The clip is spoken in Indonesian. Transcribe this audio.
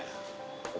tapi kan telepon dia